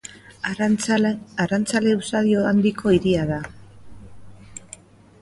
Arrantzale usadio handiko hiria da.